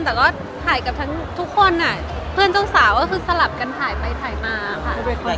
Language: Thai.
แต่ก็ถ่ายกับทั้งทุกคนเพื่อนเจ้าสาวก็คือสลับกันถ่ายไปถ่ายมาค่ะ